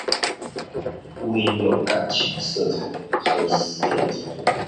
不應有感情色彩和私人成分